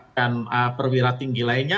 dan perwira tinggi lainnya